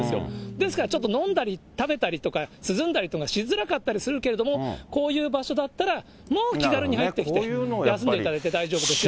ですからちょっと、飲んだり食べたりとか涼んだりっていうのがしづらかったりするけれども、こういう場所だったら、もう気軽に入ってきて休んでいただいて大丈夫ですよと。